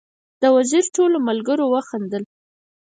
د وزیر ټولو ملګرو وخندل.